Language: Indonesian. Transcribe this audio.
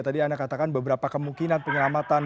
tadi anda katakan beberapa kemungkinan penyelamatan